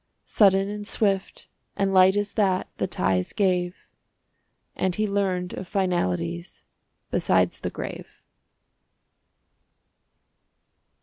Sudden and swift and light as that The ties gave, And he learned of finalities Besides the grave.